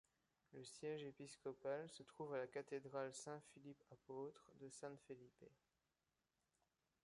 Le siège épiscopal se trouve à la cathédrale Saint-Philippe-Apôtre de San Felipe.